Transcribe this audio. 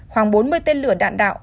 khoảng bốn mươi tên lửa đạn đạo